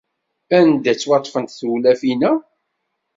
Anda i d-ttwaṭṭfent tewlafin-a?